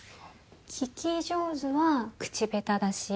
聞き上手は口下手だし。